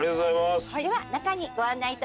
では中にご案内致します。